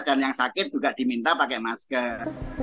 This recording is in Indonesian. dan yang sakit juga diminta pakai masker